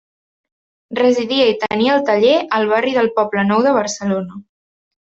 Residia i tenia el taller al barri del Poblenou de Barcelona.